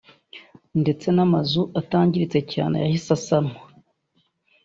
ndetse n’amazu atangiritse cyane yahise asanwa